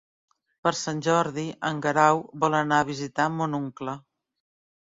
Per Sant Jordi en Guerau vol anar a visitar mon oncle.